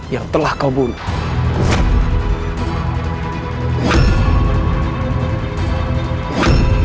yang telah kau bunuh